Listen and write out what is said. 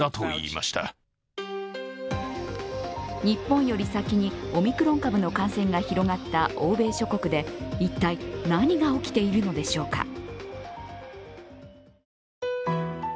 日本より先にオミクロン株の感染が広がった欧米諸国で一体何が起きているのでしょうか。